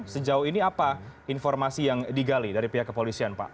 sejauh ini apa informasi yang digali dari pihak kepolisian pak